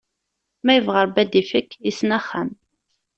Ma ibɣa Ṛebbi ad d-ifk, yessen axxam.